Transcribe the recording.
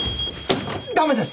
駄目です！